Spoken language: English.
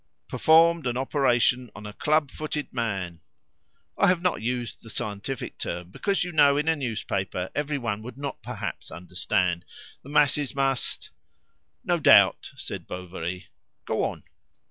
"' Performed an operation on a club footed man.' I have not used the scientific term, because you know in a newspaper everyone would not perhaps understand. The masses must '" "No doubt," said Bovary; "go on!"